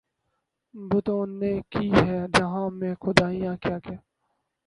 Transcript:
بتوں نے کی ہیں جہاں میں خدائیاں کیا کیا